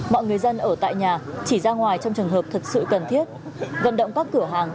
mọi người dân ở tại nhà chỉ ra ngoài trong trường hợp thật sự cần thiết vận động các cửa hàng